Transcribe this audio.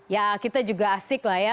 ya kita juga asik lah ya